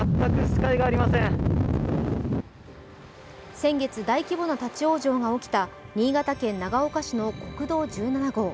先月、大規模な立往生が起きた新潟県長岡市の国道１７号。